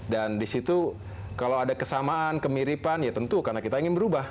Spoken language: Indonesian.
dan di situ kalau ada kesamaan kemiripan ya tentu karena kita ingin berubah